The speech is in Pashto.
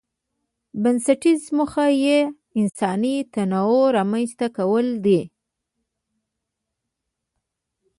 بنسټيزه موخه یې انساني تنوع رامنځته کول دي.